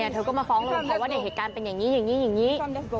เธอก็มาฟ้องรบภัยว่าเนี่ยเหตุการณ์เป็นอย่างนี้อย่างนี้อย่างนี้